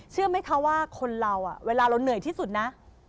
เชื่อไหมคะว่าคนเราเวลาเราเหนื่อยที่สุดนะ